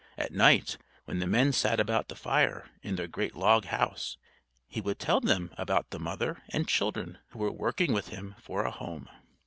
At night, when the men sat about the fire in their great log house, he would tell them about the mother and children who were working with him for a home.